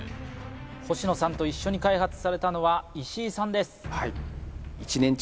星野さんと一緒に開発されたのは石井さんです